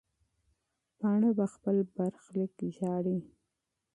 پاڼه په خپل برخلیک ژاړي.